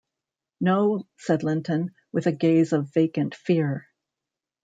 ‘No,’ said Linton, with a gaze of vacant fear.